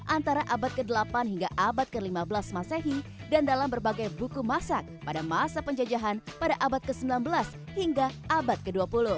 antara abad ke delapan hingga abad ke lima belas masehi dan dalam berbagai buku masak pada masa penjajahan pada abad ke sembilan belas hingga abad ke dua puluh